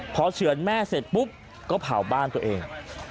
พอเฉือนแม่เสร็จปุ๊บก็เผาบ้านตัวเอง